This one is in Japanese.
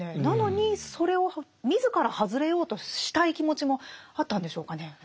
なのにそれを自ら外れようとしたい気持ちもあったんでしょうかね。